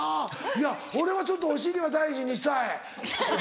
いや俺はちょっとお尻は大事にしたい。